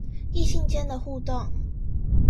異性間的互動